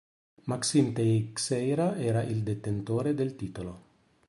Maxime Teixeira era il detentore del titolo.